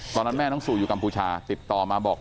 ตอนนั้นแม่น้องสู่อยู่กัมพูชาติดต่อมาบอก